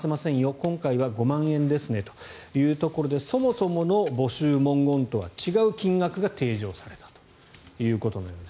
今回は５万円ですねということでそもそもの募集文言とは違う金額が提示されたということです。